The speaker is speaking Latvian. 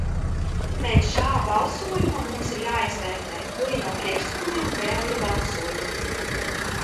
Pēc šā balsojuma mums ir jāizvērtē, kuri no priekšlikumiem vēl ir balsojami.